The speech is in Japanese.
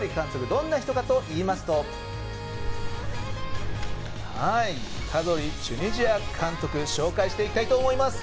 どんな人かといいますとカドリチュニジア監督紹介していきたいと思います。